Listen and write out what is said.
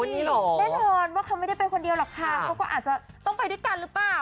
แน่นอนว่าเขาไม่ได้ไปคนเดียวหรอกค่ะเขาก็อาจจะต้องไปด้วยกันหรือเปล่า